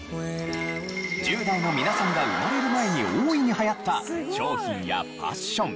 １０代の皆さんが生まれる前に大いに流行った商品やファッション。